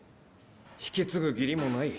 引き継ぐ義理もない。